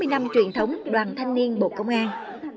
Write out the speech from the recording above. bảy mươi năm truyền thống đoàn thanh niên bộ công an